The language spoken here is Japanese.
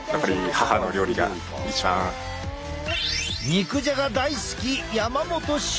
肉じゃが大好き山本柊。